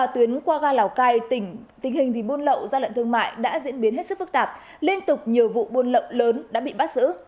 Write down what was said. tình hình buôn lậu ra lận thương mại đã diễn biến hết sức phức tạp liên tục nhiều vụ buôn lậu lớn đã bị bắt giữ